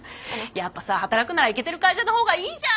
やっぱさ働くならイケてる会社のほうがいいじゃん！